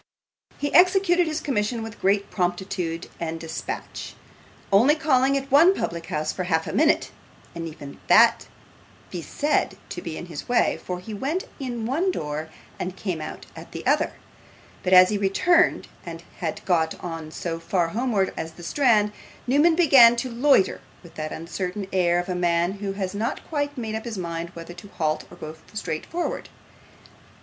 He executed his commission with great promptitude and dispatch, only calling at one public house for half a minute, and even that might be said to be in his way, for he went in at one door and came out at the other; but as he returned and had got so far homewards as the Strand, Newman began to loiter with the uncertain air of a man who has not quite made up his mind whether to halt or go straight forwards.